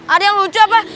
ada yang lucu apa